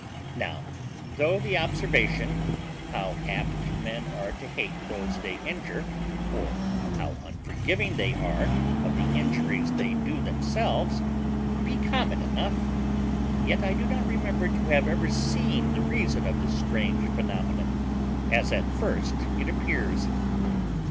Now, though the observation how apt men are to hate those they injure, or how unforgiving they are of the injuries they do themselves, be common enough, yet I do not remember to have ever seen the reason of this strange phaenomenon as at first it appears.